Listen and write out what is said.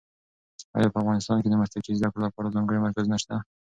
ایا په افغانستان کې د مسلکي زده کړو لپاره ځانګړي مرکزونه شته؟